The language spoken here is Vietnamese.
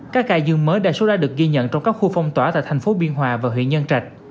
các ca dương mới đa số ra được ghi nhận trong các khu phong tỏa tại thành phố biên hòa và huyện nhân trạch